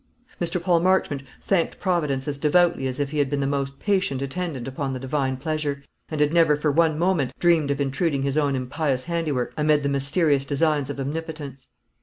Mr. Paul Marchmont thanked Providence as devoutly as if he had been the most patient attendant upon the Divine pleasure, and had never for one moment dreamed of intruding his own impious handiwork amid the mysterious designs of Omnipotence.